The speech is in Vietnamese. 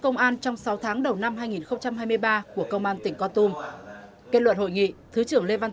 công an trong sáu tháng đầu năm hai nghìn hai mươi ba của công an tỉnh con tum kết luận hội nghị thứ trưởng lê văn